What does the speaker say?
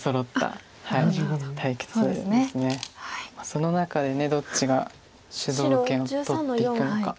その中でどっちが主導権をとっていくのか。